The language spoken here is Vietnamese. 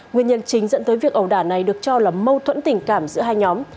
nguyên nhân chính dẫn tới việc ẩu đả này được cho là mâu thuẫn tình cảm giữa hai nhóm